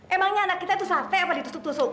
emangnya anak kita tuh sate apa ditusuk tusuk